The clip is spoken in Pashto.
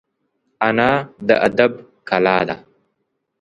انا د ادب کلا ده